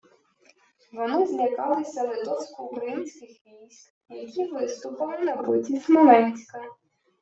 Вони злякалися литовсько-українських військ, які виступили на боці Смоленська;